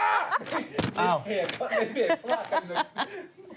อ้าวเหตุผลที่เป็นไฮโซไหม้นึง